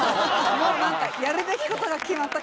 もうなんかやるべき事が決まった。